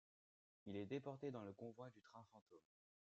Il est déporté dans le convoi du train fantôme.